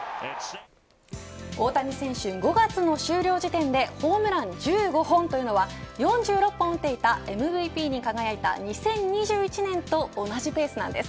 大谷選手５月の終了時点でホームラン１５本というのは４６本打っていたＭＶＰに輝いた２０２１年と同じペースなんです。